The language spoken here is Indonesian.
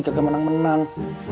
kagak menang menang